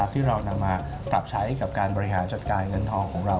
ที่เรานำมาปรับใช้กับการบริหารจัดการเงินทองของเรา